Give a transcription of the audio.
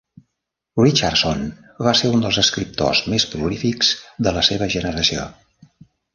Richardson va ser un dels escriptors més prolífics de la seva generació.